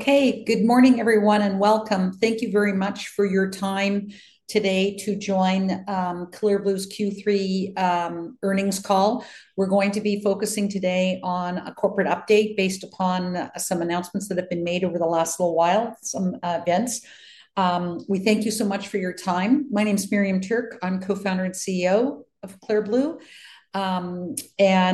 Okay, good morning, everyone, and welcome. Thank you very much for your time today to join Clear Blue's Q3 earnings call. We're going to be focusing today on a corporate update based upon some announcements that have been made over the last little while, some events. We thank you so much for your time. My name is Miriam Tuerk. I'm Co-founder and CEO of Clear Blue. And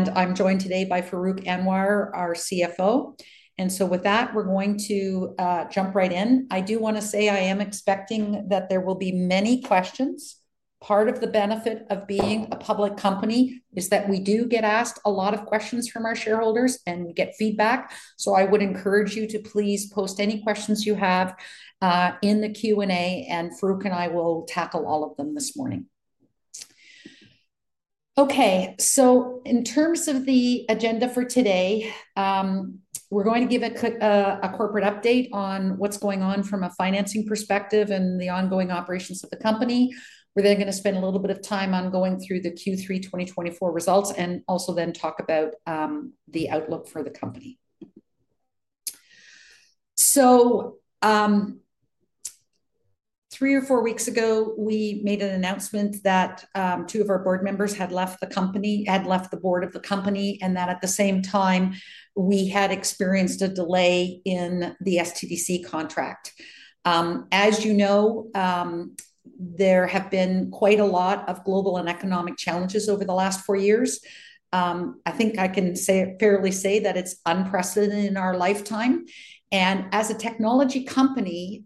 I'm joined today by Farooq Anwar, our CFO. And so with that, we're going to jump right in. I do want to say I am expecting that there will be many questions. Part of the benefit of being a public company is that we do get asked a lot of questions from our shareholders and get feedback. So I would encourage you to please post any questions you have in the Q&A, and Farooq and I will tackle all of them this morning. Okay, so in terms of the agenda for today, we're going to give a corporate update on what's going on from a financing perspective and the ongoing operations of the company. We're then going to spend a little bit of time on going through the Q3 2024 results and also then talk about the outlook for the company. So, three or four weeks ago, we made an announcement that two of our board members had left the company, had left the board of the company, and that at the same time, we had experienced a delay in the SDTC contract. As you know, there have been quite a lot of global and economic challenges over the last four years. I think I can fairly say that it's unprecedented in our lifetime. And as a technology company,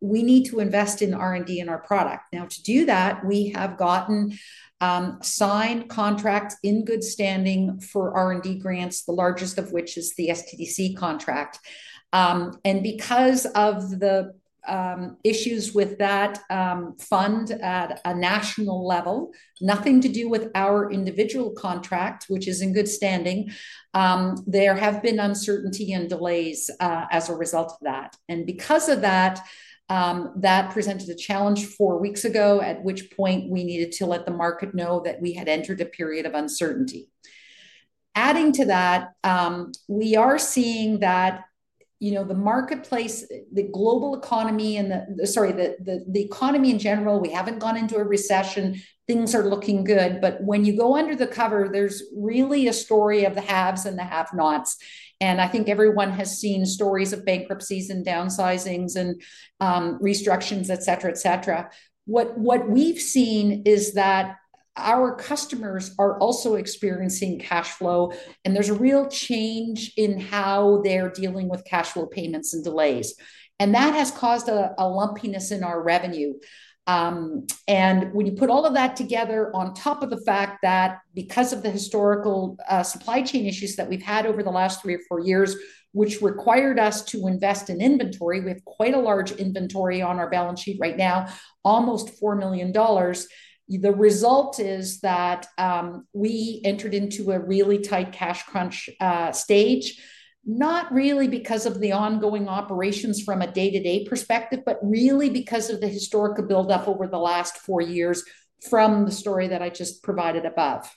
we need to invest in R&D and our product. Now, to do that, we have gotten signed contracts in good standing for R&D grants, the largest of which is the SDTC contract, and because of the issues with that fund at a national level, nothing to do with our individual contract, which is in good standing, there have been uncertainty and delays as a result of that. And because of that, that presented a challenge four weeks ago, at which point we needed to let the market know that we had entered a period of uncertainty. Adding to that, we are seeing that the marketplace, the global economy, and sorry, the economy in general, we haven't gone into a recession. Things are looking good, but when you go under the cover, there's really a story of the haves and the have-nots, and I think everyone has seen stories of bankruptcies and downsizings and restructurings, et cetera, et cetera. What we've seen is that our customers are also experiencing cash flow, and there's a real change in how they're dealing with cash flow payments and delays. And that has caused a lumpiness in our revenue. And when you put all of that together on top of the fact that because of the historical supply chain issues that we've had over the last three or four years, which required us to invest in inventory, we have quite a large inventory on our balance sheet right now, almost 4 million dollars. The result is that we entered into a really tight cash crunch stage, not really because of the ongoing operations from a day-to-day perspective, but really because of the historical buildup over the last four years from the story that I just provided above.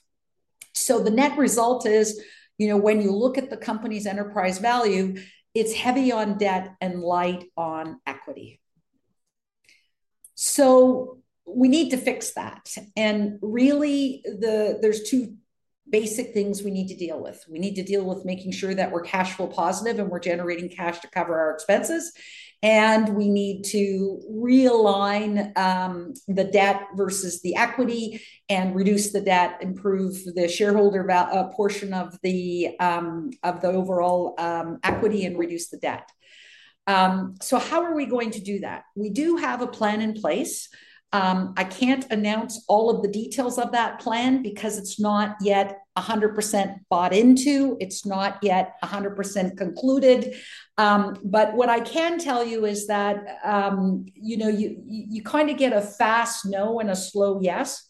So the net result is when you look at the company's enterprise value, it's heavy on debt and light on equity. So we need to fix that. And really, there's two basic things we need to deal with. We need to deal with making sure that we're cash flow positive and we're generating cash to cover our expenses. And we need to realign the debt versus the equity and reduce the debt, improve the shareholder portion of the overall equity, and reduce the debt. So how are we going to do that? We do have a plan in place. I can't announce all of the details of that plan because it's not yet 100% bought into. It's not yet 100% concluded. But what I can tell you is that you kind of get a fast no and a slow yes.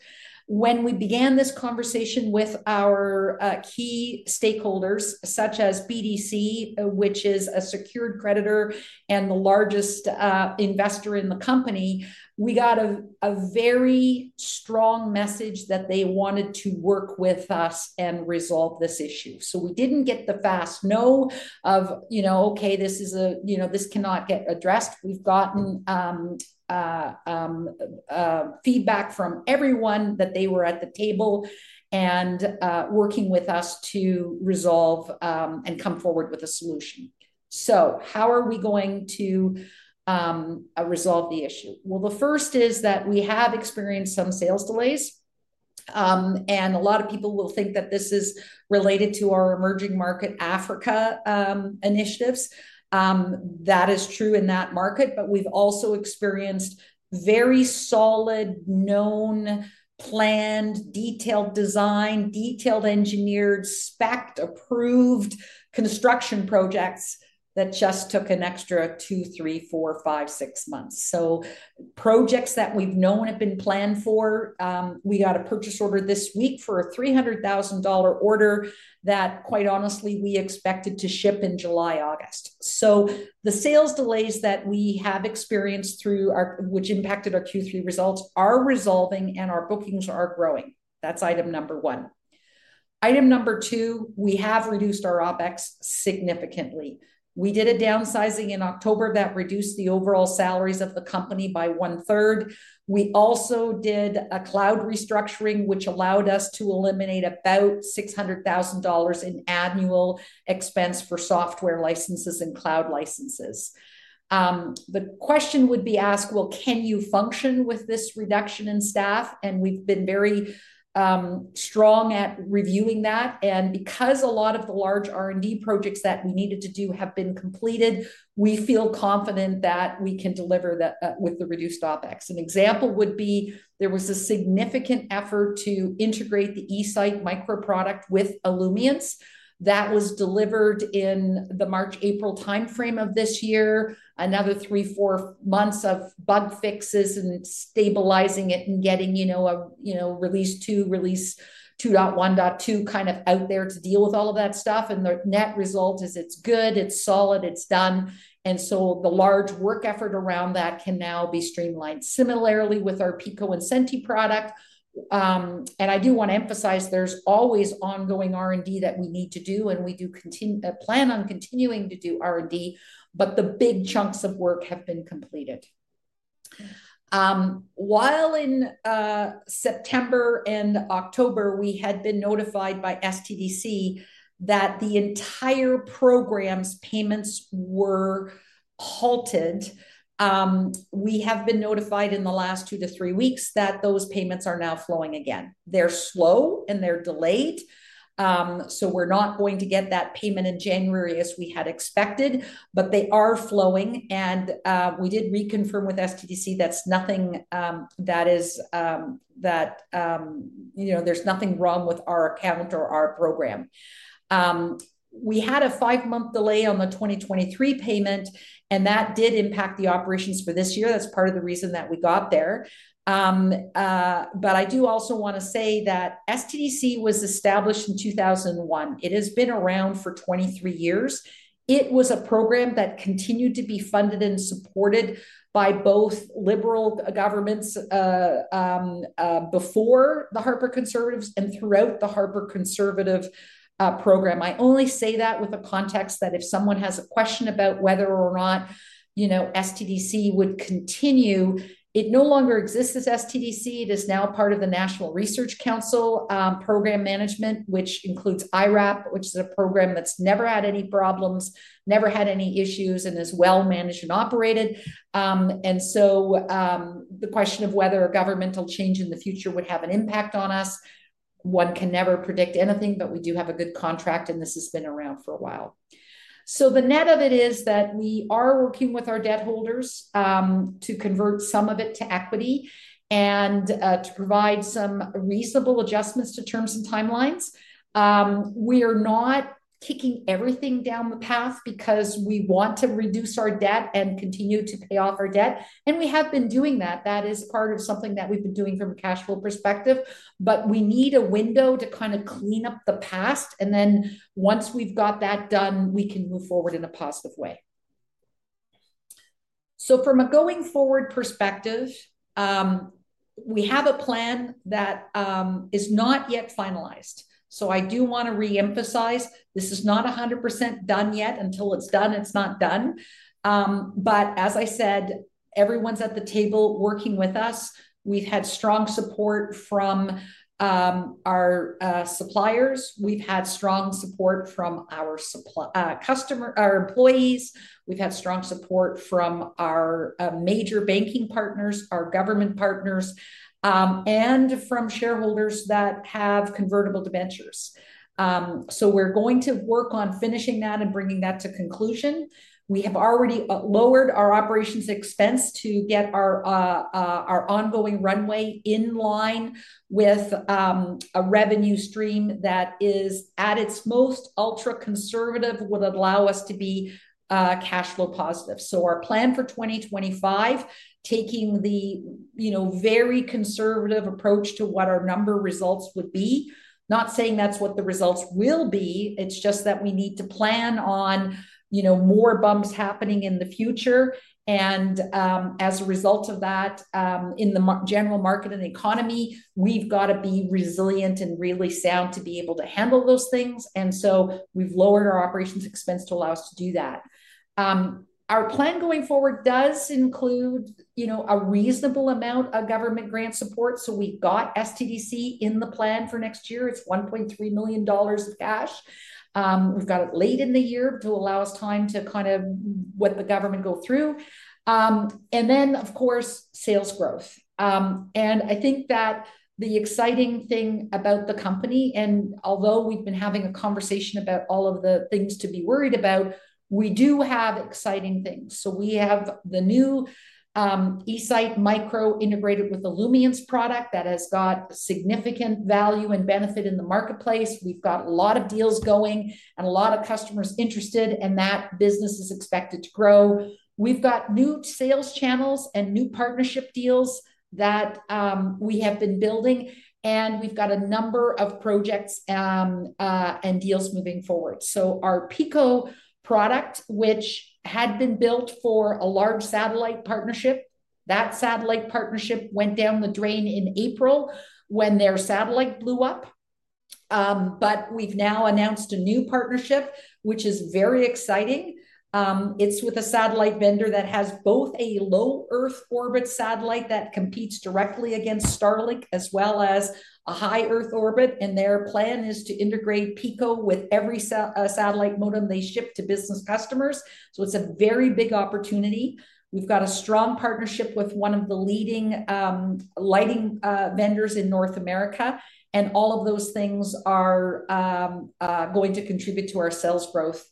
When we began this conversation with our key stakeholders, such as BDC, which is a secured creditor and the largest investor in the company, we got a very strong message that they wanted to work with us and resolve this issue. So we didn't get the fast no of, "Okay, this is a this cannot get addressed." We've gotten feedback from everyone that they were at the table and working with us to resolve and come forward with a solution. So how are we going to resolve the issue? Well, the first is that we have experienced some sales delays. And a lot of people will think that this is related to our emerging market, Africa initiatives. That is true in that market. But we've also experienced very solid, known, planned, detailed design, detailed engineered, specced, approved construction projects that just took an extra two, three, four, five, six months. Projects that we've known have been planned for. We got a purchase order this week for a 300,000 dollar order that, quite honestly, we expected to ship in July, August. The sales delays that we have experienced through which impacted our Q3 results are resolving, and our bookings are growing. That's item number one. Item number two, we have reduced our OpEx significantly. We did a downsizing in October that reduced the overall salaries of the company by one-third. We also did a cloud restructuring, which allowed us to eliminate about 600,000 dollars in annual expense for software licenses and cloud licenses. The question would be asked, "Well, can you function with this reduction in staff?" and we've been very strong at reviewing that. And because a lot of the large R&D projects that we needed to do have been completed, we feel confident that we can deliver with the reduced OpEx. An example would be there was a significant effort to integrate the eSite microproduct with Illumience. That was delivered in the March-April timeframe of this year. Another three, four months of bug fixes and stabilizing it and getting release two, release 2.1.2 kind of out there to deal with all of that stuff. And the net result is it's good, it's solid, it's done. And so the large work effort around that can now be streamlined. Similarly, with our Pico-Centi product. And I do want to emphasize there's always ongoing R&D that we need to do, and we do plan on continuing to do R&D. But the big chunks of work have been completed. While in September and October, we had been notified by SDTC that the entire program's payments were halted, we have been notified in the last two to three weeks that those payments are now flowing again. They're slow and they're delayed. So we're not going to get that payment in January as we had expected, but they are flowing. And we did reconfirm with SDTC that's nothing that there's nothing wrong with our account or our program. We had a five-month delay on the 2023 payment, and that did impact the operations for this year. That's part of the reason that we got there. But I do also want to say that SDTC was established in 2001. It has been around for 23 years. It was a program that continued to be funded and supported by both Liberal governments before the Harper Conservatives and throughout the Harper Conservative program. I only say that with the context that if someone has a question about whether or not SDTC would continue, it no longer exists as SDTC. It is now part of the National Research Council program management, which includes IRAP, which is a program that's never had any problems, never had any issues, and is well managed and operated, and so the question of whether a governmental change in the future would have an impact on us, one can never predict anything, but we do have a good contract, and this has been around for a while. So the net of it is that we are working with our debt holders to convert some of it to equity and to provide some reasonable adjustments to terms and timelines. We are not kicking everything down the path because we want to reduce our debt and continue to pay off our debt. And we have been doing that. That is part of something that we've been doing from a cash flow perspective. But we need a window to kind of clean up the past. And then once we've got that done, we can move forward in a positive way. So from a going forward perspective, we have a plan that is not yet finalized. So I do want to reemphasize, this is not 100% done yet. Until it's done, it's not done. But as I said, everyone's at the table working with us. We've had strong support from our suppliers. We've had strong support from our customers, our employees. We've had strong support from our major banking partners, our government partners, and from shareholders that have convertible debentures, so we're going to work on finishing that and bringing that to conclusion. We have already lowered our operations expense to get our ongoing runway in line with a revenue stream that is at its most ultra-conservative, would allow us to be cash flow positive, so our plan for 2025, taking the very conservative approach to what our number results would be, not saying that's what the results will be. It's just that we need to plan on more bumps happening in the future, and as a result of that, in the general market and the economy, we've got to be resilient and really sound to be able to handle those things. We have lowered our operations expense to allow us to do that. Our plan going forward does include a reasonable amount of government grant support. We have got SDTC in the plan for next year. It is 1.3 million dollars of cash. We have got it late in the year to allow us time to kind of let the government go through. Then, of course, sales growth. I think that the exciting thing about the company, and although we have been having a conversation about all of the things to be worried about, we do have exciting things. We have the new E-Site Micro integrated with Illumience product that has got significant value and benefit in the marketplace. We have got a lot of deals going and a lot of customers interested, and that business is expected to grow. We've got new sales channels and new partnership deals that we have been building. And we've got a number of projects and deals moving forward. So our Pico product, which had been built for a large satellite partnership, that satellite partnership went down the drain in April when their satellite blew up. But we've now announced a new partnership, which is very exciting. It's with a satellite vendor that has both a Low Earth Orbit satellite that competes directly against Starlink, as well as a High Earth Orbit. And their plan is to integrate Pico with every satellite modem they ship to business customers. So it's a very big opportunity. We've got a strong partnership with one of the leading lighting vendors in North America. And all of those things are going to contribute to our sales growth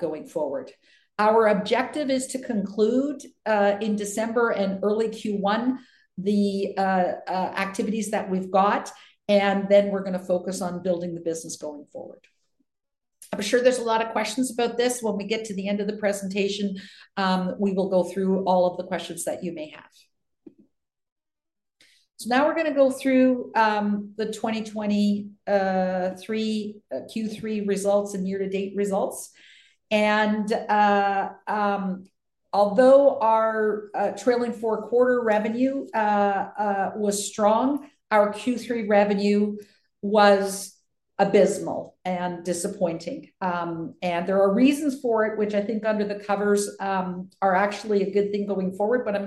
going forward. Our objective is to conclude in December and early Q1 the activities that we've got. And then we're going to focus on building the business going forward. I'm sure there's a lot of questions about this. When we get to the end of the presentation, we will go through all of the questions that you may have. So now we're going to go through the 2023 Q3 results and year-to-date results. And although our trailing four-quarter revenue was strong, our Q3 revenue was abysmal and disappointing. And there are reasons for it, which I think under the covers are actually a good thing going forward. But I'm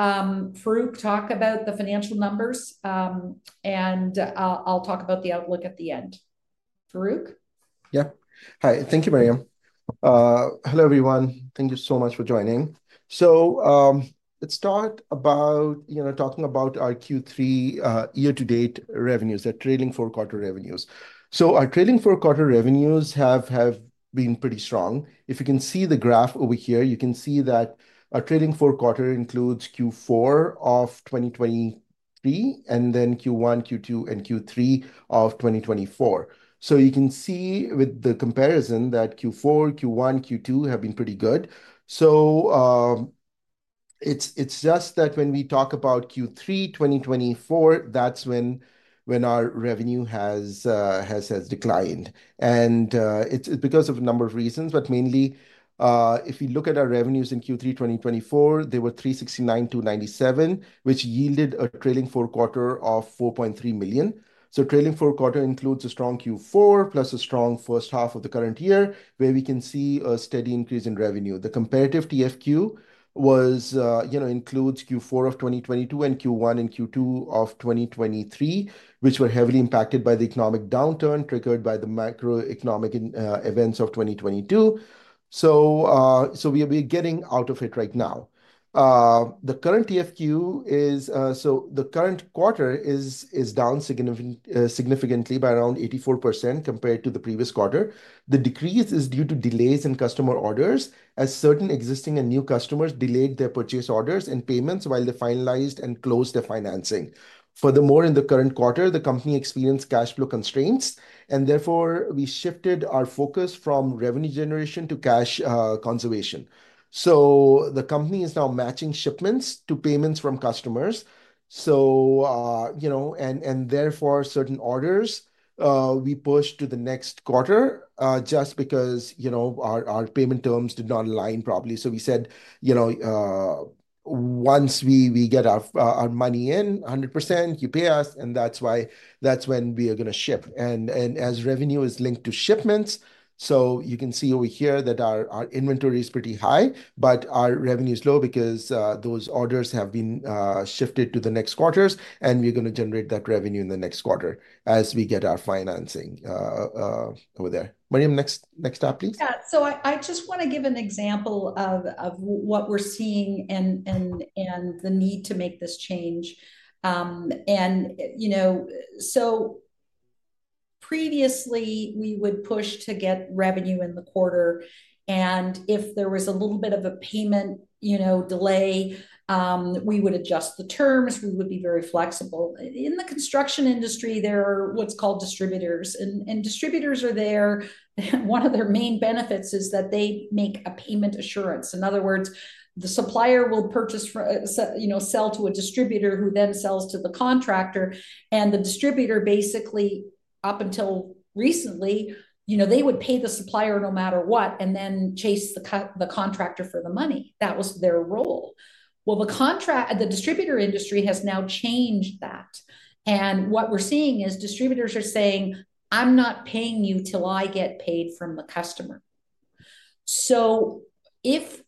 going to let Farooq talk about the financial numbers, and I'll talk about the outlook at the end. Farooq? Yeah. Hi. Thank you, Miriam. Hello, everyone. Thank you so much for joining. Let's start about talking about our Q3 year-to-date revenues, our trailing four-quarter revenues. Our trailing four-quarter revenues have been pretty strong. If you can see the graph over here, you can see that our trailing four-quarter includes Q4 of 2023 and then Q1, Q2, and Q3 of 2024. You can see with the comparison that Q4, Q1, Q2 have been pretty good. It's just that when we talk about Q3 2024, that's when our revenue has declined. It's because of a number of reasons, but mainly, if you look at our revenues in Q3 2024, they were 369,297, which yielded a trailing four-quarter of 4.3 million. Trailing four-quarter includes a strong Q4 plus a strong first half of the current year, where we can see a steady increase in revenue. The comparative TFQ includes Q4 of 2022 and Q1 and Q2 of 2023, which were heavily impacted by the economic downturn triggered by the macroeconomic events of 2022, so we are getting out of it right now. The current TFQ, so the current quarter is down significantly by around 84% compared to the previous quarter. The decrease is due to delays in customer orders as certain existing and new customers delayed their purchase orders and payments while they finalized and closed their financing. Furthermore, in the current quarter, the company experienced cash flow constraints, and therefore we shifted our focus from revenue generation to cash conservation, so the company is now matching shipments to payments from customers, and therefore, certain orders we pushed to the next quarter just because our payment terms did not align properly. So we said, "Once we get our money in, 100%, you pay us," and that's when we are going to ship. And as revenue is linked to shipments, so you can see over here that our inventory is pretty high, but our revenue is low because those orders have been shifted to the next quarters, and we're going to generate that revenue in the next quarter as we get our financing over there. Miriam, next step, please. Yeah. So I just want to give an example of what we're seeing and the need to make this change. And so previously, we would push to get revenue in the quarter. And if there was a little bit of a payment delay, we would adjust the terms. We would be very flexible. In the construction industry, there are what's called distributors. And distributors are there. One of their main benefits is that they make a payment assurance. In other words, the supplier will sell to a distributor who then sells to the contractor. The distributor, basically, up until recently, they would pay the supplier no matter what and then chase the contractor for the money. That was their role. The distributor industry has now changed that. What we're seeing is distributors are saying, "I'm not paying you till I get paid from the customer." If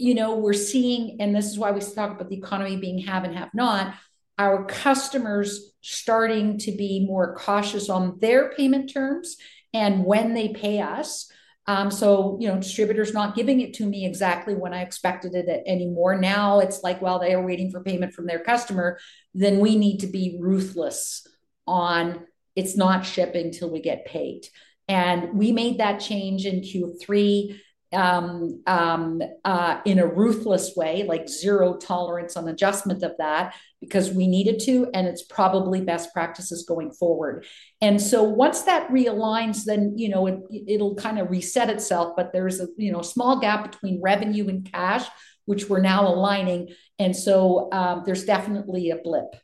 we're seeing (and this is why we talk about the economy being haves and have-nots) our customers starting to be more cautious on their payment terms and when they pay us. Distributor's not giving it to me exactly when I expected it anymore. Now it's like, "Well, they are waiting for payment from their customer." Then we need to be ruthless on, "It's not shipping till we get paid." And we made that change in Q3 in a ruthless way, like zero tolerance on adjustment of that because we needed to, and it's probably best practices going forward. And so once that realigns, then it'll kind of reset itself. But there's a small gap between revenue and cash, which we're now aligning. And so there's definitely a blip.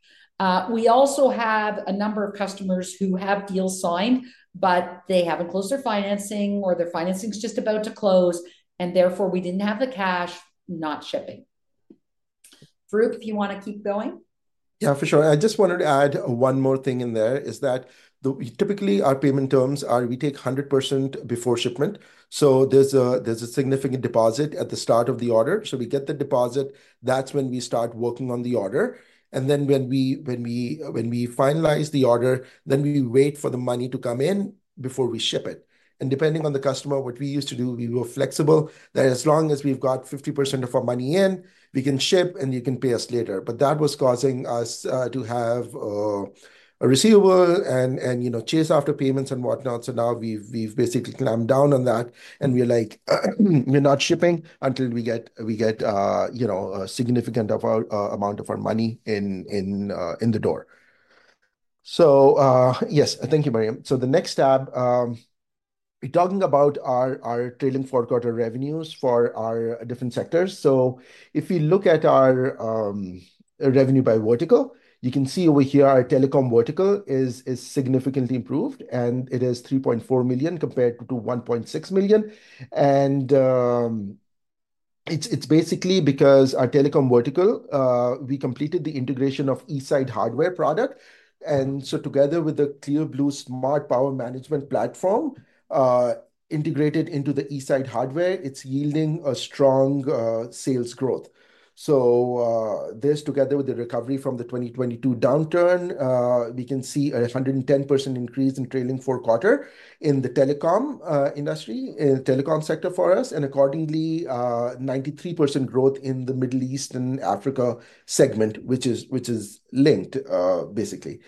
We also have a number of customers who have deals signed, but they haven't closed their financing or their financing's just about to close. And therefore, we didn't have the cash, not shipping. Farooq, if you want to keep going. Yeah, for sure. I just wanted to add one more thing in there, is that typically our payment terms are we take 100% before shipment. There's a significant deposit at the start of the order. We get the deposit. That's when we start working on the order. Then when we finalize the order, we wait for the money to come in before we ship it. Depending on the customer, what we used to do, we were flexible that as long as we've got 50% of our money in, we can ship and you can pay us later. But that was causing us to have receivables and chase after payments and whatnot. Now we've basically clamped down on that. We're like, "We're not shipping until we get a significant amount of our money in the door." Yes, thank you, Miriam. The next step, talking about our trailing four-quarter revenues for our different sectors. If we look at our revenue by vertical, you can see over here our telecom vertical is significantly improved, and it is 3.4 million compared to 1.6 million. It's basically because our telecom vertical, we completed the integration of E-Sight Hardware product. Together with the Clear Blue Smart Power Management platform integrated into the E-Sight Hardware, it's yielding a strong sales growth. This, together with the recovery from the 2022 downturn, we can see a 110% increase in trailing four-quarter in the telecom industry, telecom sector for us, and accordingly, 93% growth in the Middle East and Africa segment, which is linked, basically.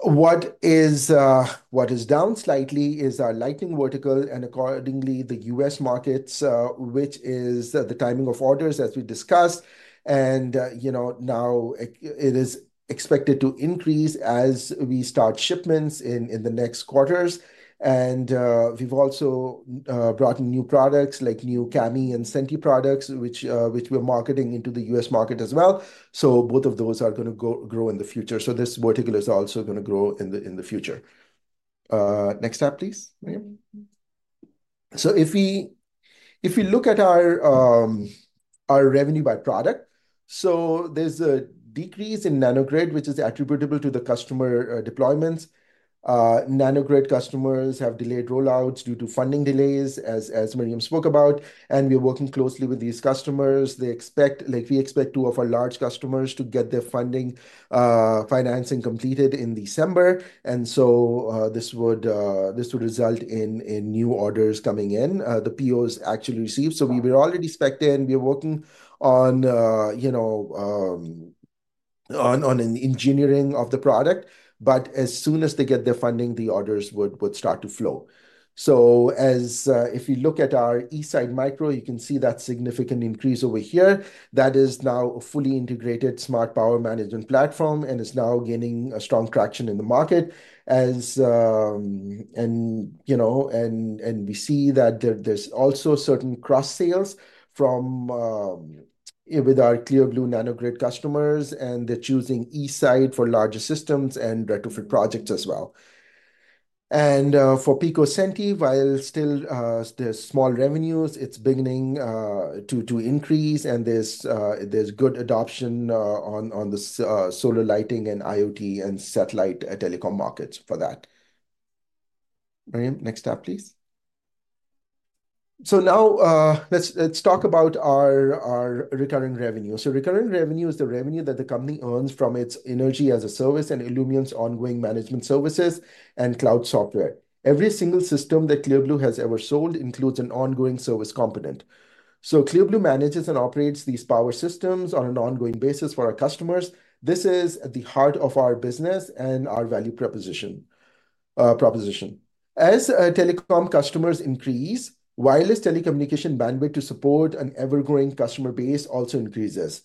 What is down slightly is our lighting vertical and accordingly, the U.S. markets, which is the timing of orders, as we discussed. Now it is expected to increase as we start shipments in the next quarters. And we've also brought in new products like new Pico and Centi products, which we're marketing into the U.S. market as well. So both of those are going to grow in the future. So this vertical is also going to grow in the future. Next step, please, Miriam. So if we look at our revenue by product, so there's a decrease in Nano-Grid, which is attributable to the customer deployments. Nano-Grid customers have delayed rollouts due to funding delays, as Miriam spoke about. And we're working closely with these customers. We expect two of our large customers to get their funding financing completed in December. And so this would result in new orders coming in, the POs actually received. So we were already specced in. We're working on engineering of the product. But as soon as they get their funding, the orders would start to flow. So if you look at our E-Site Micro, you can see that significant increase over here. That is now a fully integrated smart power management platform and is now gaining a strong traction in the market. And we see that there's also certain cross-sales with our Clear Blue Nanogrid customers, and they're choosing E-Site for larger systems and retrofit projects as well. And for Pico Centi, while still there's small revenues, it's beginning to increase, and there's good adoption on the solar lighting and IoT and satellite telecom markets for that. Miriam, next step, please. So now let's talk about our recurring revenue. So recurring revenue is the revenue that the company earns from its energy as a service and Illumience's ongoing management services and cloud software. Every single system that Clear Blue has ever sold includes an ongoing service component. Clear Blue manages and operates these power systems on an ongoing basis for our customers. This is at the heart of our business and our value proposition. As telecom customers increase, wireless telecommunication bandwidth to support an ever-growing customer base also increases,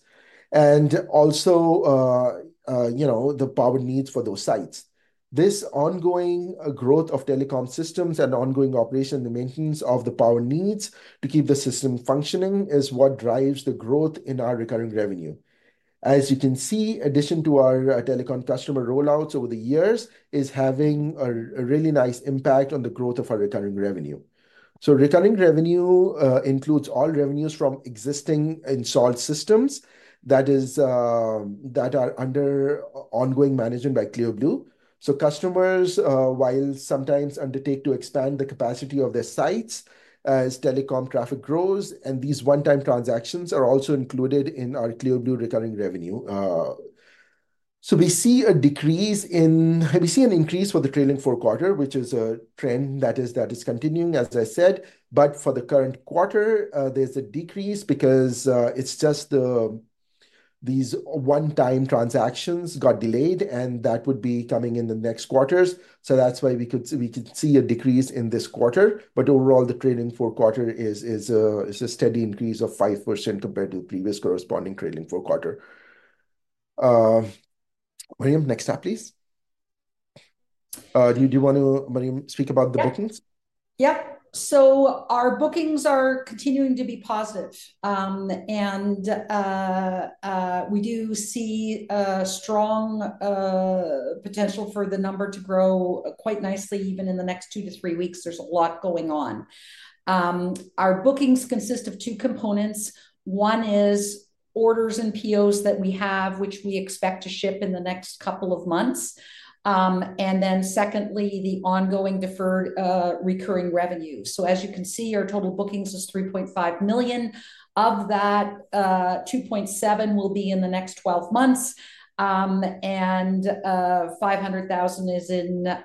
and also the power needs for those sites. This ongoing growth of telecom systems and ongoing operation and the maintenance of the power needs to keep the system functioning is what drives the growth in our recurring revenue. As you can see, in addition to our telecom customer rollouts over the years is having a really nice impact on the growth of our recurring revenue. Recurring revenue includes all revenues from existing installed systems that are under ongoing management by Clear Blue. So, customers while sometimes undertake to expand the capacity of their sites as telecom traffic grows, and these one-time transactions are also included in our Clear Blue recurring revenue. So we see an increase for the trailing four quarters, which is a trend that is continuing, as I said. But for the current quarter, there's a decrease because it's just these one-time transactions got delayed, and that would be coming in the next quarters. So that's why we could see a decrease in this quarter. But overall, the trailing four quarters is a steady increase of 5% compared to the previous corresponding trailing four quarters. Miriam, next step, please. Do you want to, Miriam, speak about the bookings? Yep. So our bookings are continuing to be positive. We do see a strong potential for the number to grow quite nicely, even in the next two to three weeks. There's a lot going on. Our bookings consist of two components. One is orders and POs that we have, which we expect to ship in the next couple of months. Then secondly, the ongoing recurring revenue. So as you can see, our total bookings is 3.5 million. Of that, 2.7 million will be in the next 12 months. And 500,000 is in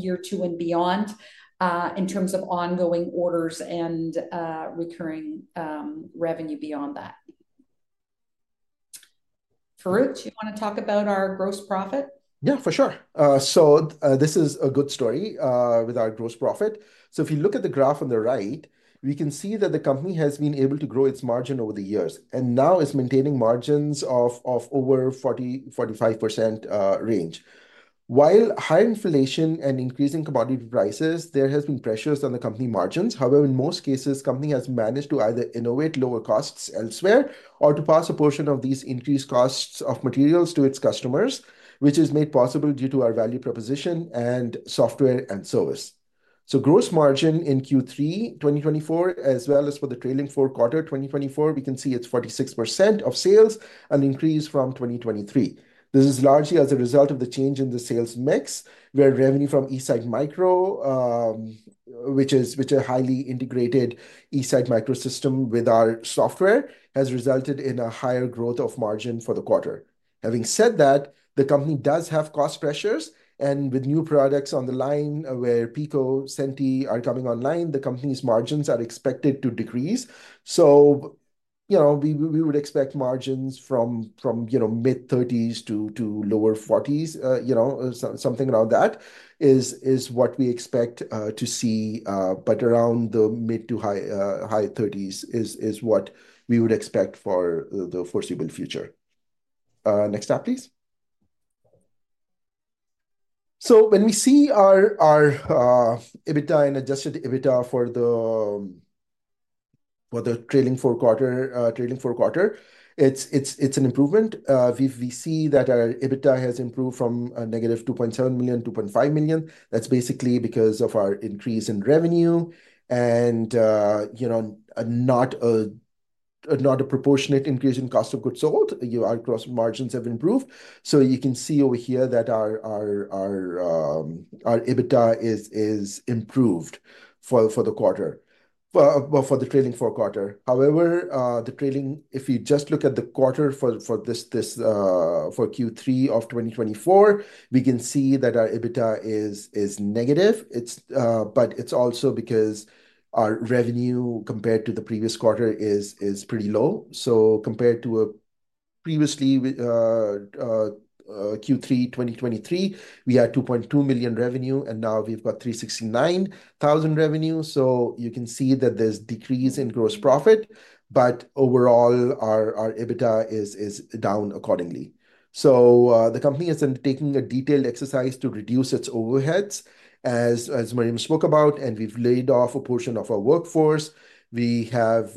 year two and beyond in terms of ongoing orders and recurring revenue beyond that. Farooq, do you want to talk about our gross profit? Yeah, for sure. So this is a good story with our gross profit. So if you look at the graph on the right, we can see that the company has been able to grow its margin over the years. And now it's maintaining margins of over 40%-45%. While high inflation and increasing commodity prices, there has been pressures on the company margins. However, in most cases, the company has managed to either innovate lower costs elsewhere or to pass a portion of these increased costs of materials to its customers, which is made possible due to our value proposition and software and service. So gross margin in Q3 2024, as well as for the trailing four-quarter 2024, we can see it's 46% of sales and increased from 2023. This is largely as a result of the change in the sales mix, where revenue from E-Site Micro, which is a highly integrated E-Site Micro system with our software, has resulted in a higher growth of margin for the quarter. Having said that, the company does have cost pressures. With new products on the line where Pico, Centi are coming online, the company's margins are expected to decrease. We would expect margins from mid-30s to lower 40s, something around that is what we expect to see. But around the mid to high 30s is what we would expect for the foreseeable future. Next step, please. When we see our EBITDA and adjusted EBITDA for the trailing four-quarter, it's an improvement. We see that our EBITDA has improved from negative $2.7 million to $2.5 million. That's basically because of our increase in revenue and not a proportionate increase in cost of goods sold. Our gross margins have improved. You can see over here that our EBITDA is improved for the quarter, for the trailing four-quarter. However, the trailing, if you just look at the quarter for Q3 of 2024, we can see that our EBITDA is negative. But it's also because our revenue compared to the previous quarter is pretty low. So compared to previously, Q3 2023, we had 2.2 million revenue, and now we've got 369,000 revenue. So you can see that there's decrease in gross profit. But overall, our EBITDA is down accordingly. So the company has been taking a detailed exercise to reduce its overheads, as Miriam spoke about. And we've laid off a portion of our workforce. We have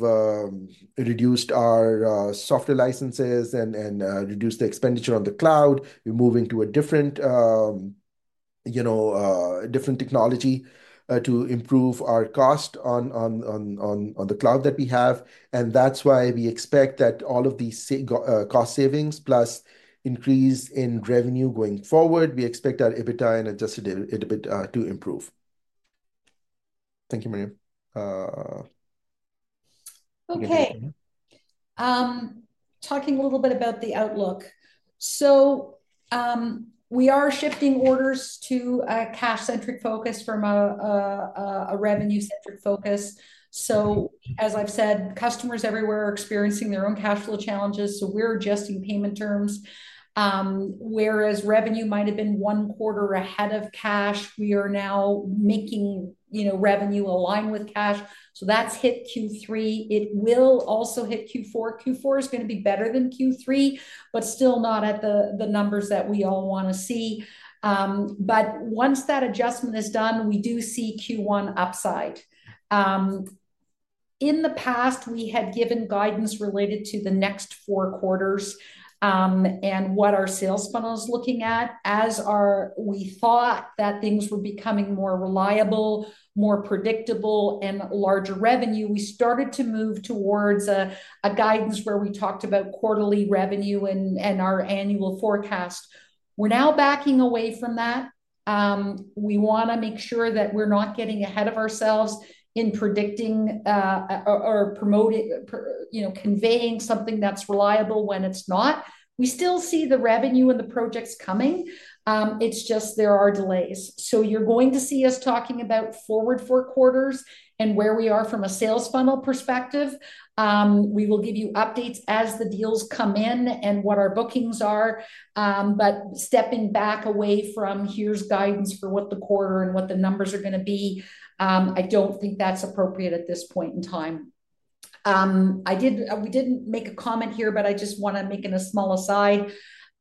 reduced our software licenses and reduced the expenditure on the cloud. We're moving to a different technology to improve our cost on the cloud that we have. And that's why we expect that all of these cost savings plus increase in revenue going forward, we expect our EBITDA and adjusted EBITDA to improve. Thank you, Miriam. Okay. Talking a little bit about the outlook. We are shifting orders to a cash-centric focus from a revenue-centric focus. As I've said, customers everywhere are experiencing their own cash flow challenges. We're adjusting payment terms. Whereas revenue might have been one quarter ahead of cash, we are now making revenue align with cash. That's hit Q3. It will also hit Q4. Q4 is going to be better than Q3, but still not at the numbers that we all want to see. Once that adjustment is done, we do see Q1 upside. In the past, we had given guidance related to the next four quarters and what our sales funnel is looking at. As we thought that things were becoming more reliable, more predictable, and larger revenue, we started to move towards a guidance where we talked about quarterly revenue and our annual forecast. We're now backing away from that. We want to make sure that we're not getting ahead of ourselves in predicting or conveying something that's reliable when it's not. We still see the revenue and the projects coming. It's just there are delays. So you're going to see us talking about forward four quarters and where we are from a sales funnel perspective. We will give you updates as the deals come in and what our bookings are. But stepping back away from, "Here's guidance for what the quarter and what the numbers are going to be," I don't think that's appropriate at this point in time. We didn't make a comment here, but I just want to make a small aside.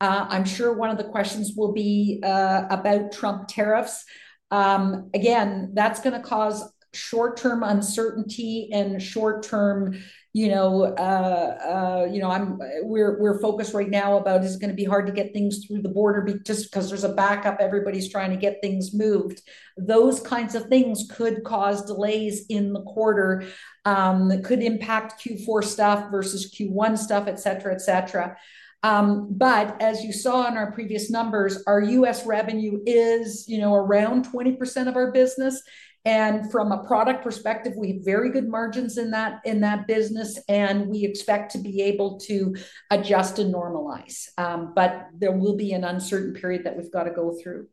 I'm sure one of the questions will be about Trump tariffs. Again, that's going to cause short-term uncertainty and short-term we're focused right now about, "Is it going to be hard to get things through the border?" Just because there's a backup, everybody's trying to get things moved. Those kinds of things could cause delays in the quarter. It could impact Q4 stuff versus Q1 stuff, etc., etc., but as you saw in our previous numbers, our U.S. revenue is around 20% of our business, and from a product perspective, we have very good margins in that business, and we expect to be able to adjust and normalize, but there will be an uncertain period that we've got to go through.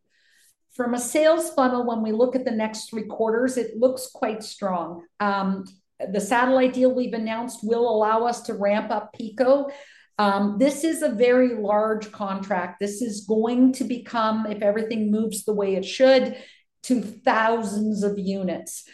From a sales funnel, when we look at the next three quarters, it looks quite strong. The satellite deal we've announced will allow us to ramp up Pico. This is a very large contract. This is going to become, if everything moves the way it should, to thousands of units.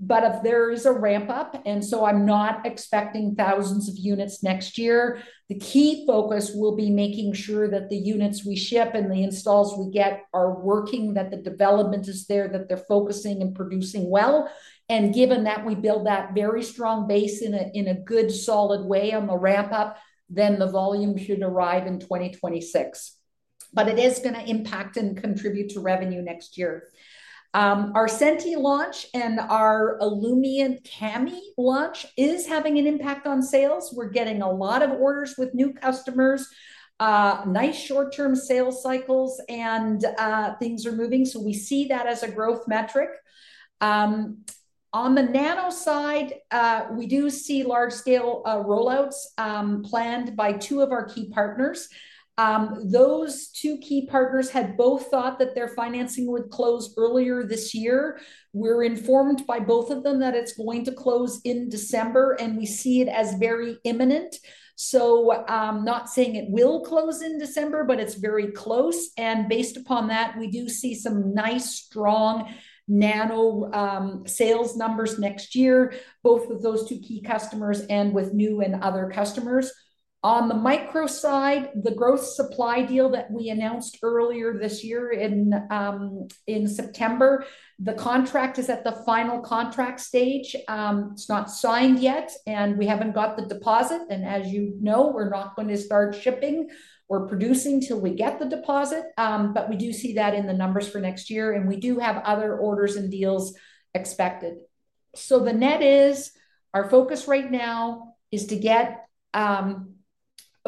But if there is a ramp-up, and so I'm not expecting thousands of units next year, the key focus will be making sure that the units we ship and the installs we get are working, that the development is there, that they're focusing and producing well. And given that we build that very strong base in a good solid way on the ramp-up, then the volume should arrive in 2026. But it is going to impact and contribute to revenue next year. Our Centi launch and our Illumience Cammy launch is having an impact on sales. We're getting a lot of orders with new customers, nice short-term sales cycles, and things are moving. So we see that as a growth metric. On the nano side, we do see large-scale rollouts planned by two of our key partners. Those two key partners had both thought that their financing would close earlier this year. We're informed by both of them that it's going to close in December, and we see it as very imminent. So I'm not saying it will close in December, but it's very close. And based upon that, we do see some nice, strong nano sales numbers next year, both with those two key customers and with new and other customers. On the micro side, the growth supply deal that we announced earlier this year in September, the contract is at the final contract stage. It's not signed yet, and we haven't got the deposit. And as you know, we're not going to start shipping or producing till we get the deposit. But we do see that in the numbers for next year, and we do have other orders and deals expected. So the net is our focus right now is to get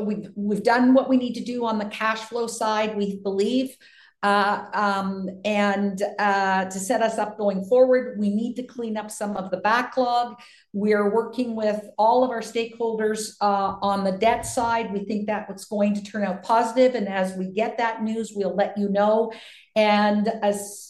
we've done what we need to do on the cash flow side, we believe. And to set us up going forward, we need to clean up some of the backlog. We are working with all of our stakeholders on the debt side. We think that's going to turn out positive. And as we get that news, we'll let you know. And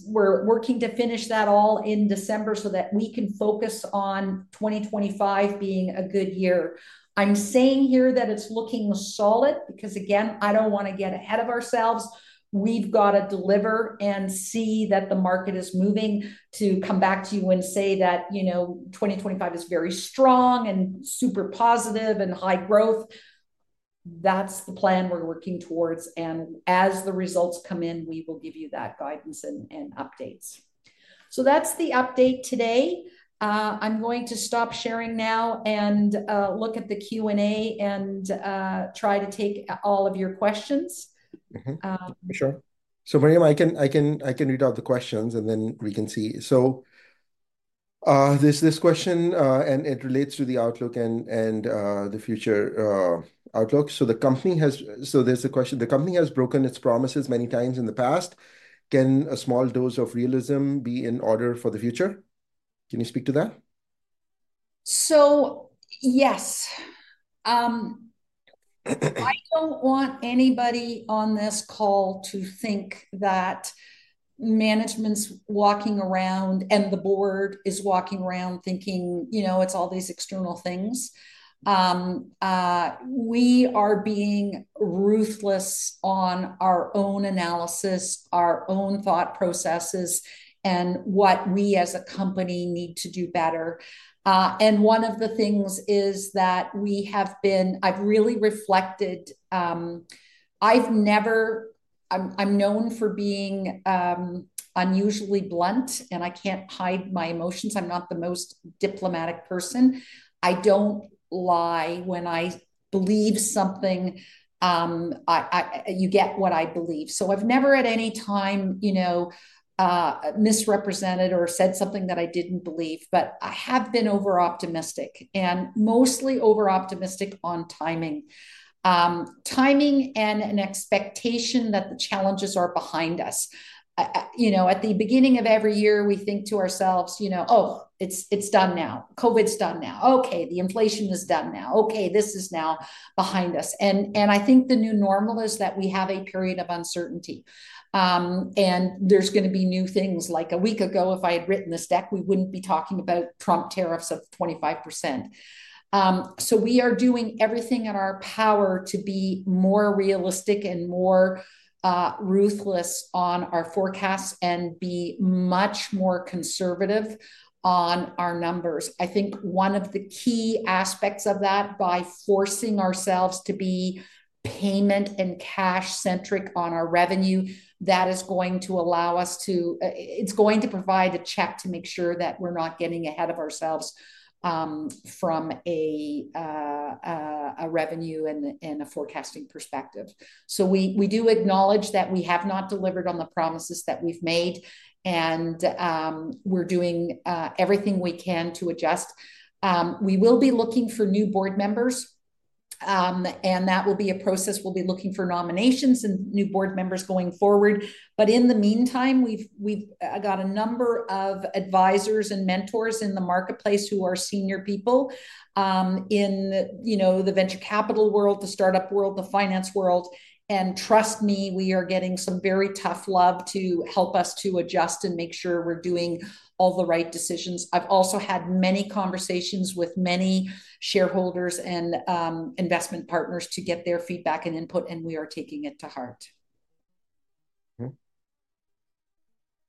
we're working to finish that all in December so that we can focus on 2025 being a good year. I'm saying here that it's looking solid because, again, I don't want to get ahead of ourselves. We've got to deliver and see that the market is moving to come back to you and say that 2025 is very strong and super positive and high growth. That's the plan we're working towards. And as the results come in, we will give you that guidance and updates. So that's the update today. I'm going to stop sharing now and look at the Q&A and try to take all of your questions. Sure. So Miriam, I can read out the questions, and then we can see. So this question, and it relates to the outlook and the future outlook. So there's the question. The company has broken its promises many times in the past. Can a small dose of realism be in order for the future? Can you speak to that? So yes. I don't want anybody on this call to think that management's walking around and the board is walking around thinking it's all these external things. We are being ruthless on our own analysis, our own thought processes, and what we as a company need to do better. And one of the things is that we have been. I've really reflected. I'm known for being unusually blunt, and I can't hide my emotions. I'm not the most diplomatic person. I don't lie when I believe something. You get what I believe. So I've never at any time misrepresented or said something that I didn't believe, but I have been overoptimistic and mostly overoptimistic on timing. Timing and an expectation that the challenges are behind us. At the beginning of every year, we think to ourselves, "Oh, it's done now. COVID's done now. Okay. The inflation is done now. Okay. This is now behind us, and I think the new normal is that we have a period of uncertainty, and there's going to be new things. Like a week ago, if I had written this deck, we wouldn't be talking about Trump tariffs of 25%. So we are doing everything in our power to be more realistic and more ruthless on our forecasts and be much more conservative on our numbers. I think one of the key aspects of that, by forcing ourselves to be payment and cash-centric on our revenue, that is going to provide a check to make sure that we're not getting ahead of ourselves from a revenue and a forecasting perspective, so we do acknowledge that we have not delivered on the promises that we've made, and we're doing everything we can to adjust. We will be looking for new board members, and that will be a process. We'll be looking for nominations and new board members going forward. But in the meantime, we've got a number of advisors and mentors in the marketplace who are senior people in the venture capital world, the startup world, the finance world. And trust me, we are getting some very tough love to help us to adjust and make sure we're doing all the right decisions. I've also had many conversations with many shareholders and investment partners to get their feedback and input, and we are taking it to heart.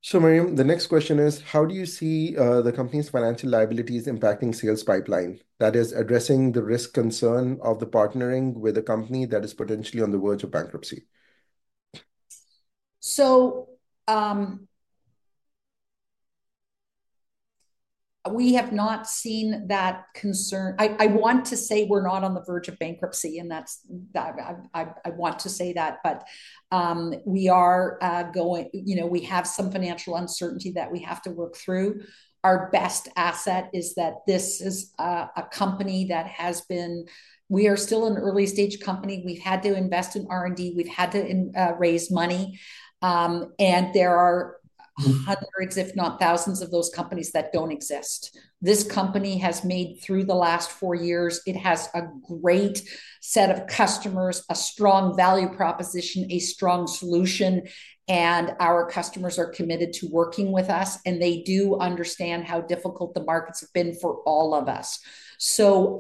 So Miriam, the next question is, how do you see the company's financial liabilities impacting sales pipeline? That is, addressing the risk concern of the partnering with a company that is potentially on the verge of bankruptcy? So we have not seen that concern. I want to say we're not on the verge of bankruptcy, and I want to say that. But we are. We have some financial uncertainty that we have to work through. Our best asset is that this is a company. We are still an early-stage company. We've had to invest in R&D. We've had to raise money. And there are hundreds, if not thousands, of those companies that don't exist. This company has made it through the last four years. It has a great set of customers, a strong value proposition, a strong solution, and our customers are committed to working with us. They do understand how difficult the markets have been for all of us. So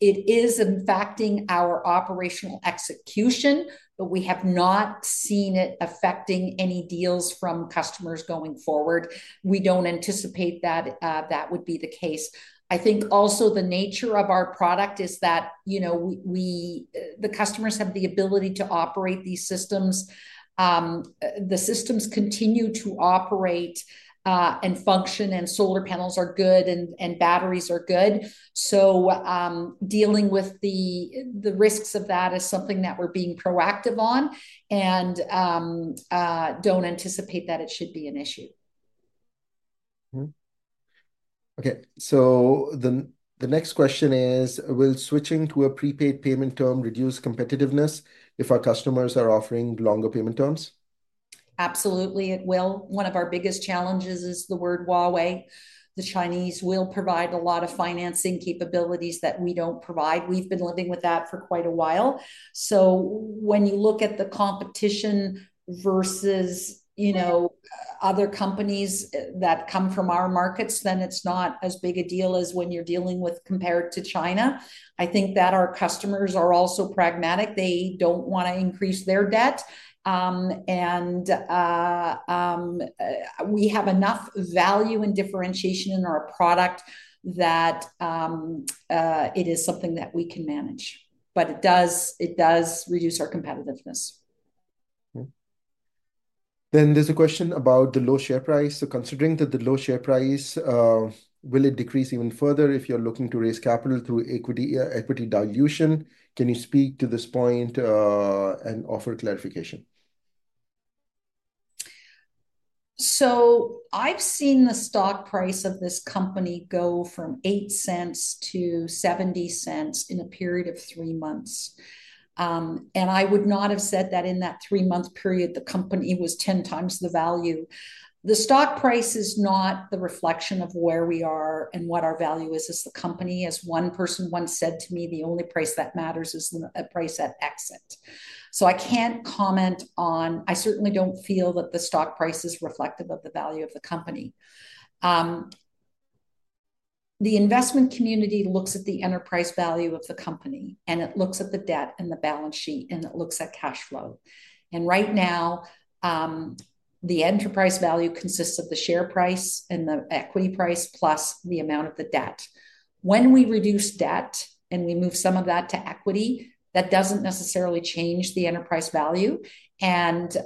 it is impacting our operational execution, but we have not seen it affecting any deals from customers going forward. We don't anticipate that would be the case. I think also the nature of our product is that the customers have the ability to operate these systems. The systems continue to operate and function, and solar panels are good, and batteries are good. So dealing with the risks of that is something that we're being proactive on and don't anticipate that it should be an issue. Okay. So the next question is, will switching to a prepaid payment term reduce competitiveness if our customers are offering longer payment terms? Absolutely, it will. One of our biggest challenges is the word Huawei. The Chinese will provide a lot of financing capabilities that we don't provide. We've been living with that for quite a while. So when you look at the competition versus other companies that come from our markets, then it's not as big a deal as when you're dealing with compared to China. I think that our customers are also pragmatic. They don't want to increase their debt. And we have enough value and differentiation in our product that it is something that we can manage. But it does reduce our competitiveness. Then there's a question about the low share price. So considering that the low share price, will it decrease even further if you're looking to raise capital through equity dilution? Can you speak to this point and offer clarification? So I've seen the stock price of this company go from 0.08-0.70 in a period of three months. And I would not have said that in that three-month period, the company was 10 times the value. The stock price is not the reflection of where we are and what our value is as the company. As one person once said to me, "The only price that matters is the price at exit." I certainly don't feel that the stock price is reflective of the value of the company. The investment community looks at the enterprise value of the company, and it looks at the debt and the balance sheet, and it looks at cash flow, and right now, the enterprise value consists of the share price and the equity price plus the amount of the debt. When we reduce debt and we move some of that to equity, that doesn't necessarily change the enterprise value, and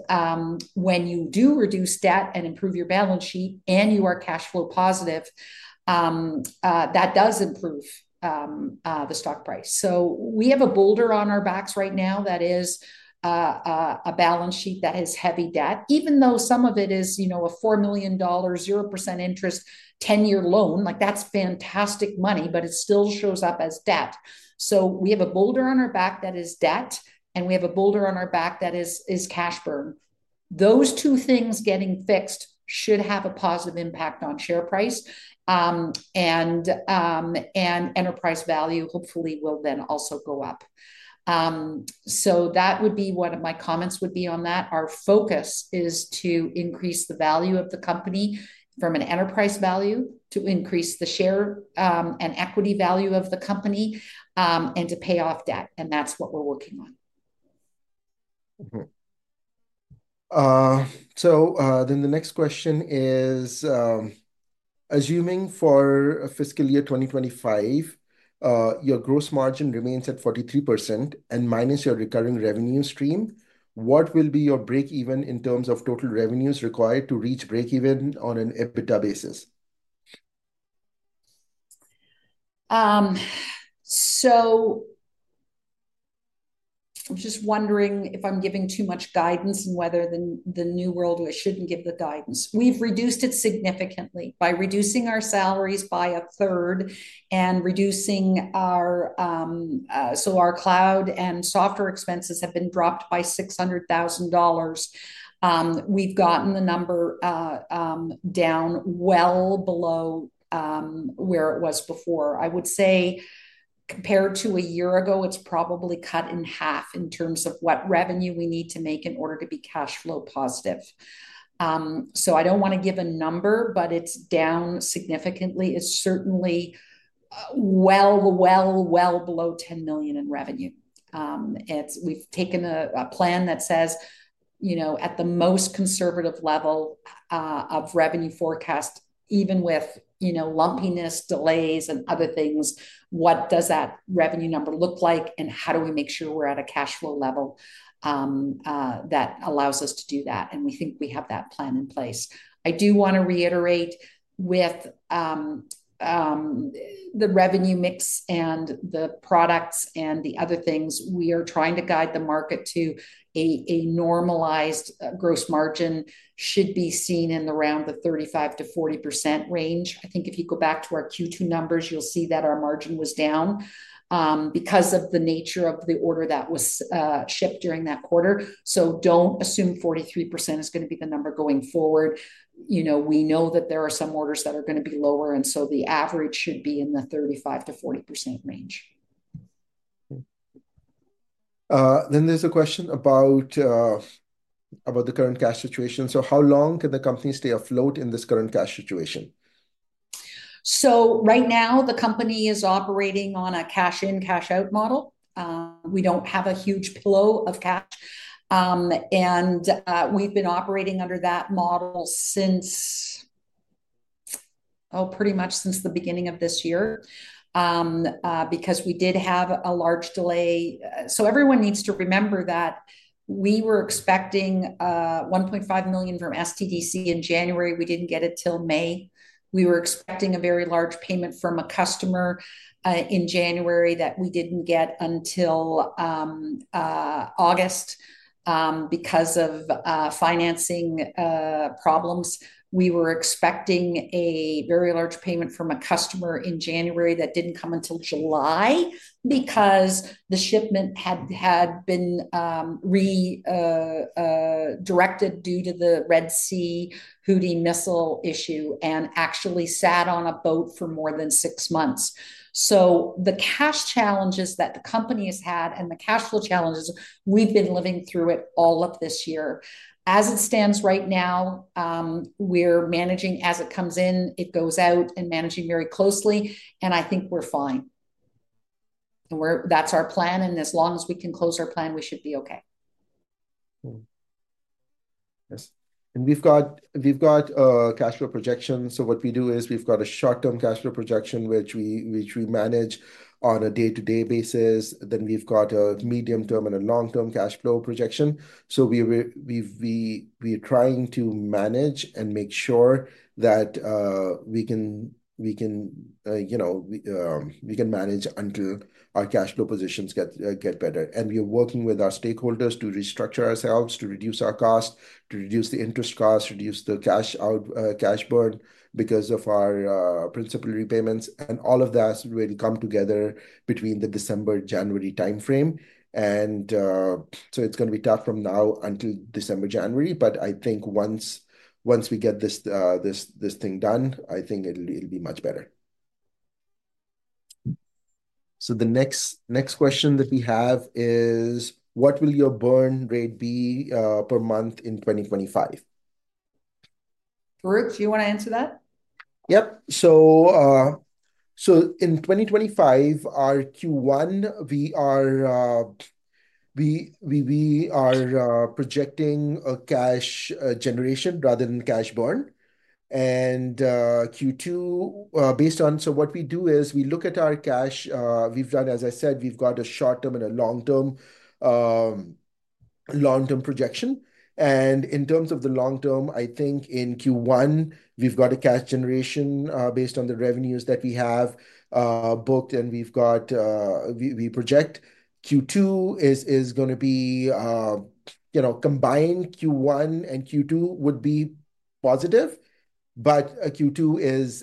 when you do reduce debt and improve your balance sheet and you are cash flow positive, that does improve the stock price, so we have a boulder on our backs right now that is a balance sheet that has heavy debt. Even though some of it is a 4 million dollars, 0% interest, 10-year loan, that's fantastic money, but it still shows up as debt, so we have a boulder on our back that is debt, and we have a boulder on our back that is cash burn. Those two things getting fixed should have a positive impact on share price, and enterprise value hopefully will then also go up, so that would be one of my comments on that. Our focus is to increase the value of the company from an enterprise value to increase the share and equity value of the company and to pay off debt, and that's what we're working on. So then the next question is, assuming for fiscal year 2025, your gross margin remains at 43% and minus your recurring revenue stream, what will be your break-even in terms of total revenues required to reach break-even on an EBITDA basis? So I'm just wondering if I'm giving too much guidance and whether the new world shouldn't give the guidance. We've reduced it significantly by reducing our salaries by a third and reducing our cloud and software expenses have been dropped by 600,000 dollars. We've gotten the number down well below where it was before. I would say compared to a year ago, it's probably cut in half in terms of what revenue we need to make in order to be cash flow positive. So I don't want to give a number, but it's down significantly. It's certainly well, well, well below 10 million in revenue. We've taken a plan that says, at the most conservative level of revenue forecast, even with lumpiness, delays, and other things, what does that revenue number look like, and how do we make sure we're at a cash flow level that allows us to do that, and we think we have that plan in place. I do want to reiterate, with the revenue mix and the products and the other things, we are trying to guide the market to a normalized gross margin should be seen in the round of 35%-40% range. I think if you go back to our Q2 numbers, you'll see that our margin was down because of the nature of the order that was shipped during that quarter, so don't assume 43% is going to be the number going forward. We know that there are some orders that are going to be lower, and so the average should be in the 35%-40% range. Then there's a question about the current cash situation. So how long can the company stay afloat in this current cash situation? So right now, the company is operating on a cash-in, cash-out model. We don't have a huge flow of cash. And we've been operating under that model since, oh, pretty much since the beginning of this year because we did have a large delay. So everyone needs to remember that we were expecting 1.5 million from SDTC in January. We didn't get it till May. We were expecting a very large payment from a customer in January that we didn't get until August because of financing problems. We were expecting a very large payment from a customer in January that didn't come until July because the shipment had been redirected due to the Red Sea Houthi missile issue and actually sat on a boat for more than six months. So the cash challenges that the company has had and the cash flow challenges, we've been living through it all of this year. As it stands right now, we're managing as it comes in, it goes out, and managing very closely. And I think we're fine. That's our plan. And as long as we can close our plan, we should be okay. Yes. And we've got cash flow projections. So what we do is we've got a short-term cash flow projection, which we manage on a day-to-day basis. Then we've got a medium-term and a long-term cash flow projection. So, we're trying to manage and make sure that we can manage until our cash flow positions get better. And we are working with our stakeholders to restructure ourselves, to reduce our cost, to reduce the interest cost, reduce the cash burn because of our principal repayments. And all of that will come together between the December, January timeframe. And so it's going to be tough from now until December, January. But I think once we get this thing done, I think it'll be much better. So the next question that we have is, what will your burn rate be per month in 2025? Brooke, do you want to answer that? Yep. So in 2025, our Q1, we are projecting a cash generation rather than cash burn. And Q2, based on so what we do is we look at our cash. As I said, we've got a short-term and a long-term projection. And in terms of the long-term, I think in Q1, we've got a cash generation based on the revenues that we have booked. And we project Q2 is going to be combined Q1 and Q2 would be positive. But Q2 is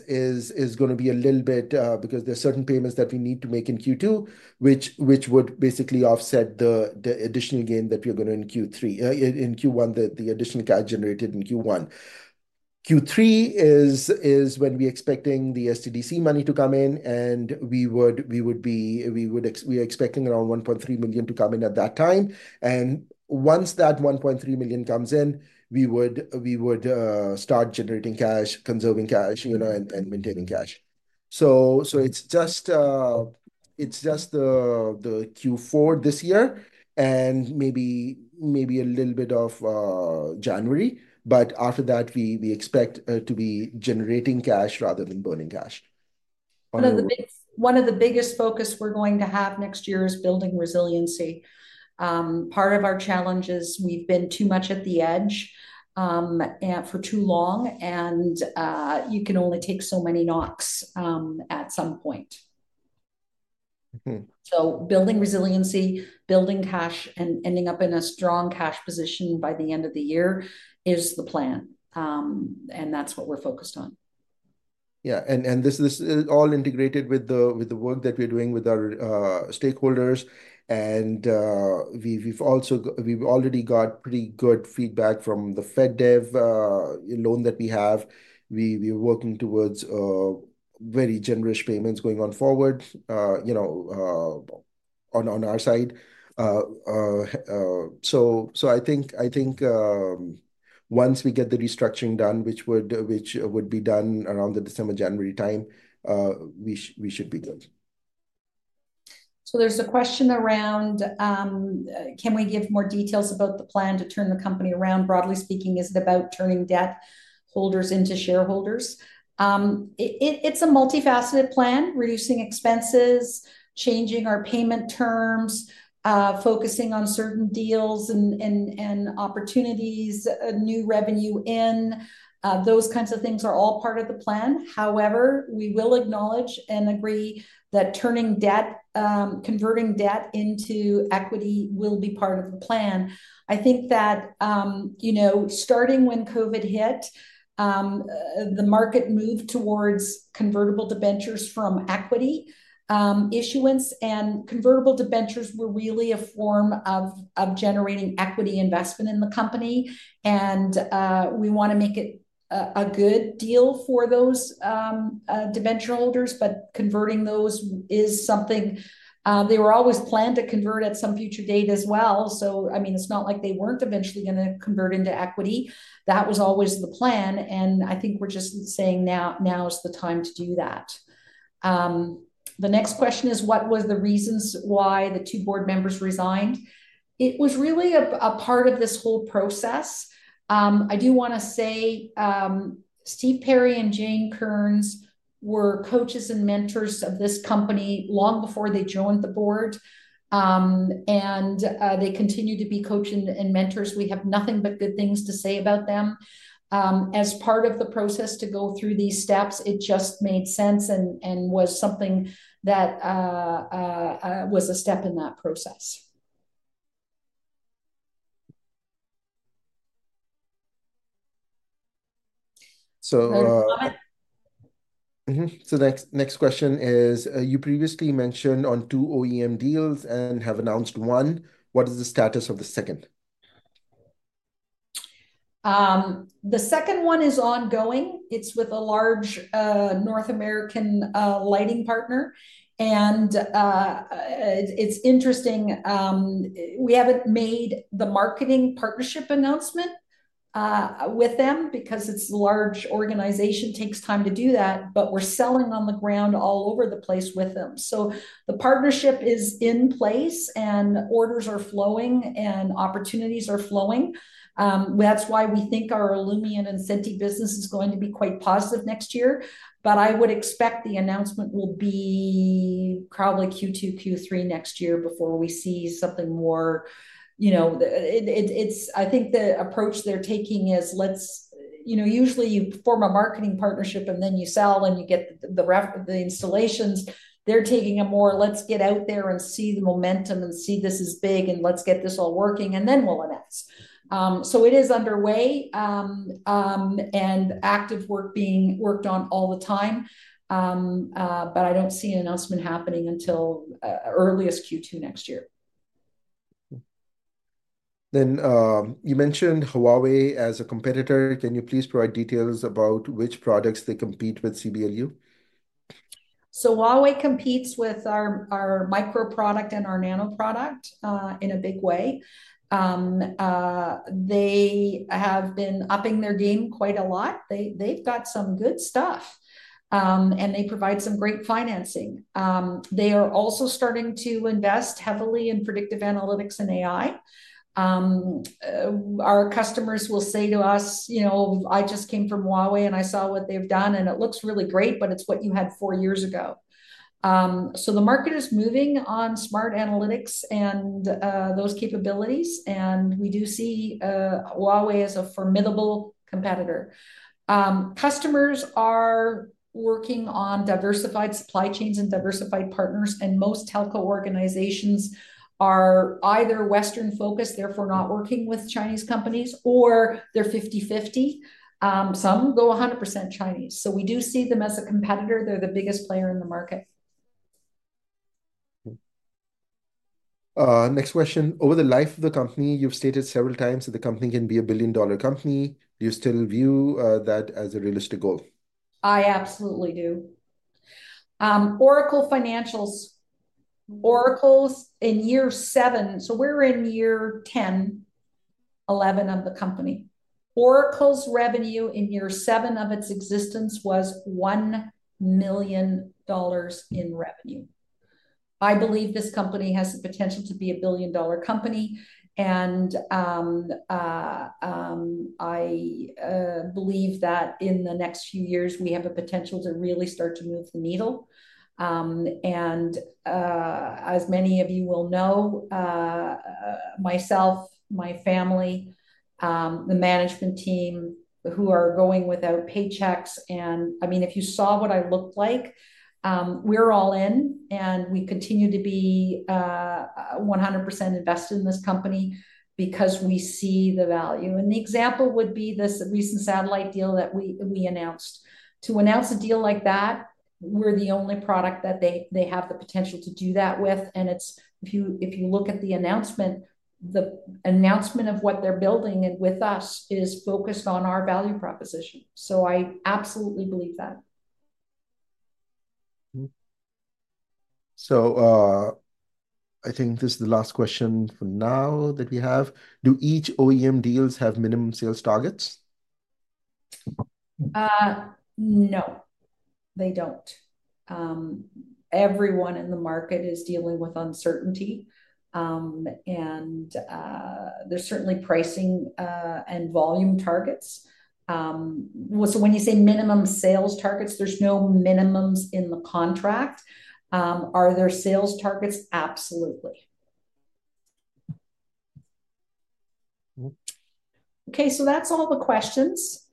going to be a little bit because there are certain payments that we need to make in Q2, which would basically offset the additional gain that we're going to in Q1, the additional cash generated in Q1. Q3 is when we're expecting the SDTC money to come in. And we're expecting around $1.3 million to come in at that time. And o nce that $1.3 million comes in, we would start generating cash, conserving cash, and maintaining cash. So it's just the Q4 this year and maybe a little bit of January. But after that, we expect to be generating cash rather than burning cash. One of the biggest focus we're going to have next year is building resiliency. Part of our challenge is we've been too much at the edge for too long, and you can only take so many knocks at some point. So building resiliency, building cash, and ending up in a strong cash position by the end of the year is the plan. And that's what we're focused on. Yeah. And this is all integrated with the work that we're doing with our stakeholders. And we've already got pretty good feedback from the FedDev loan that we have. We are working towards very generous payments going forward on our side. So I think once we get the restructuring done, which would be done around the December, January time, we should be good. So there's a question around: can we give more details about the plan to turn the company around? Broadly speaking, is it about turning debt holders into shareholders? It's a multifaceted plan, reducing expenses, changing our payment terms, focusing on certain deals and opportunities, new revenue in. Those kinds of things are all part of the plan. However, we will acknowledge and agree that converting debt into equity will be part of the plan. I think that starting when COVID hit, the market moved towards convertible debentures from equity issuance. And convertible debentures were really a form of generating equity investment in the company. And we want to make it a good deal for those debenture holders. But converting those is something they were always planned to convert at some future date as well. So I mean, it's not like they weren't eventually going to convert into equity. That was always the plan. And I think we're just saying now is the time to do that. The next question is, what were the reasons why the two board members resigned? It was really a part of this whole process. I do want to say Steve Parry and Jane Kearns were coaches and mentors of this company long before they joined the board. And they continue to be coaches and mentors. We have nothing but good things to say about them. As part of the process to go through these steps, it just made sense and was something that was a step in that process. So next question is, you previously mentioned on two OEM deals and have announced one. What is the status of the second? The second one is ongoing. It's with a large North American lighting partner. And it's interesting. We haven't made the marketing partnership announcement with them because it's a large organization. It takes time to do that. But we're selling on the ground all over the place with them. So the partnership is in place, and orders are flowing, and opportunities are flowing. That's why we think our Illumience and Centi business is going to be quite positive next year. But I would expect the announcement will be probably Q2, Q3 next year before we see something more. I think the approach they're taking is usually you form a marketing partnership, and then you sell, and you get the installations. They're taking a more, "Let's get out there and see the momentum and see this is big, and let's get this all working, and then we'll announce." So it is underway and active work being worked on all the time. But I don't see an announcement happening until earliest Q2 next year. Then you mentioned Huawei as a competitor. Can you please provide details about which products they compete with CBLU? So Huawei competes with our Pico product and our Nano product in a big way. They have been upping their game quite a lot. They've got some good stuff, and they provide some great financing. They are also starting to invest heavily in predictive analytics and AI. Our customers will say to us, "I just came from Huawei, and I saw what they've done, and it looks really great, but it's what you had four years ago." So the market is moving on smart analytics and those capabilities. And we do see Huawei as a formidable competitor. Customers are working on diversified supply chains and diversified partners. Most telco organizations are either Western-focused, therefore not working with Chinese companies, or they're 50/50. Some go 100% Chinese. We do see them as a competitor. They're the biggest player in the market. Next question. Over the life of the company, you've stated several times that the company can be a billion-dollar company. Do you still view that as a realistic goal? I absolutely do. Oracle Financials. Oracle's in year seven. We're in year 11 of the company. Oracle's revenue in year seven of its existence was $1 million in revenue. I believe this company has the potential to be a billion-dollar company. I believe that in the next few years, we have a potential to really start to move the needle. As many of you will know, myself, my family, the management team who are going without paychecks. I mean, if you saw what I looked like, we're all in. We continue to be 100% invested in this company because we see the value. The example would be this recent satellite deal that we announced. To announce a deal like that, we're the only product that they have the potential to do that with. If you look at the announcement, the announcement of what they're building with us is focused on our value proposition. I absolutely believe that. I think this is the last question for now that we have. Do each OEM deals have minimum sales targets? No, they don't. Everyone in the market is dealing with uncertainty. There's certainly pricing and volume targets. When you say minimum sales targets, there's no minimums in the contract. Are there sales targets? Absolutely. Okay. That's all the questions.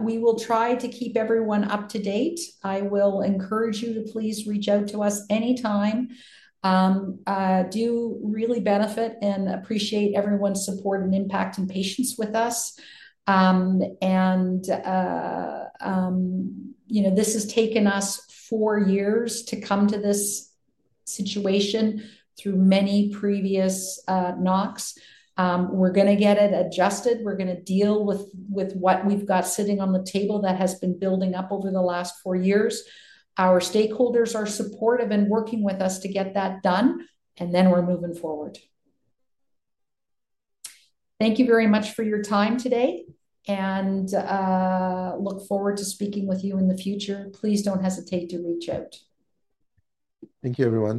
We will try to keep everyone up to date. I will encourage you to please reach out to us anytime. We do really benefit and appreciate everyone's support and impact and patience with us, and this has taken us four years to come to this situation through many previous knocks. We're going to get it adjusted. We're going to deal with what we've got sitting on the table that has been building up over the last four years. Our stakeholders are supportive and working with us to get that done, and then we're moving forward. Thank you very much for your time today. We look forward to speaking with you in the future. Please don't hesitate to reach out. Thank you, everyone.